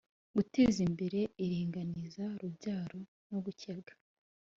Guteza imbere iringaniza rubyaro no gukebwa